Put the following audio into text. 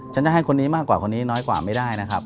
จะให้คนนี้มากกว่าคนนี้น้อยกว่าไม่ได้นะครับ